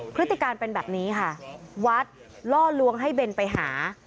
พฤติการเป็นแบบนี้ค่ะวัดล่อลวงให้เบนไปหา